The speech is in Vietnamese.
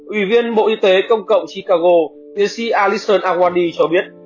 ủy viên bộ y tế công cộng chicago tiến sĩ allison agwani cho biết